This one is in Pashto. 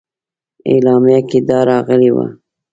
اعلامیه کې دا راغلي وه.